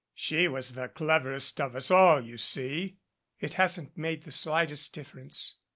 She was the cleverest of us all, you see." "It hasn't made the slightest difference."